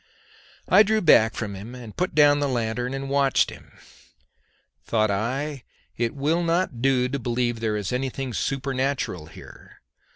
I drew back from him, and put down the lanthorn and watched him. Thought I, it will not do to believe there is anything supernatural here.